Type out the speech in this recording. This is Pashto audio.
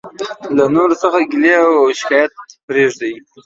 له نورو څخه ګيلي او او شکايت پريږدٸ.